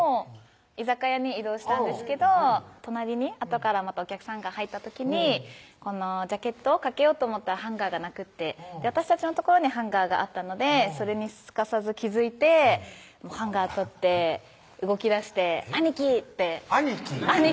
居酒屋に移動したんですけど隣にあとからまたお客さんが入った時にジャケットを掛けようと思ったらハンガーがなくって私たちの所にハンガーがあったのでそれにすかさず気付いてハンガー取って動きだして「兄貴！」って兄貴？